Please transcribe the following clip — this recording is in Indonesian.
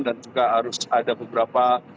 dan juga harus ada beberapa